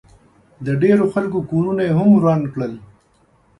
د ډېرو خلکو کورونه ئې هم وران کړل